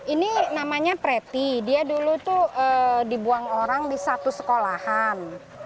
ini namanya preti dia dulu tuh dibuang orang di satu sekolahan